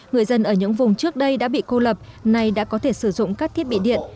người dân ở những vùng trước đây đã bị cô lập nay đã có thể sử dụng các thiết bị điện